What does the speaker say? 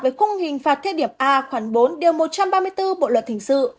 với khung hình phạt thiết điểm a khoảng bốn điều một trăm ba mươi bốn bộ luật thình sự